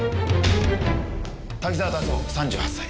滝沢達生３８歳。